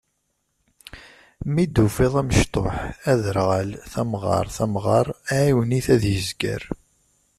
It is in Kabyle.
Mi d-tufiḍ amecṭuḥ, aderɣal, tamɣart, amɣar, ɛiwen-it ad yezger.